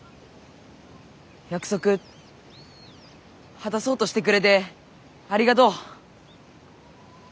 約束果たそうとしてくれてありがどう。